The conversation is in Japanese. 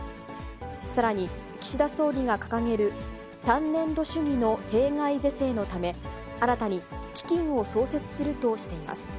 さらに岸田総理が掲げる単年度主義の弊害是正のため、新たに基金を創設するとしています。